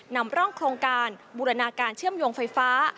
นำร่องโครงการบูรณาการเชื่อมโยงไฟฟ้า